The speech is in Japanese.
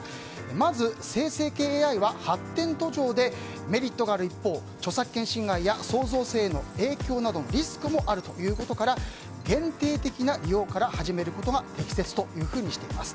まず、生成系ＡＩは発展途上でメリットがある一方著作権侵害や創造性への影響のリスクもあるということから限定的な利用から始めることが適切というふうにしています。